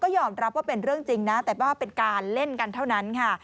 ยอมรับว่าเป็นเรื่องจริงนะแต่ว่าเป็นการเล่นกันเท่านั้นค่ะ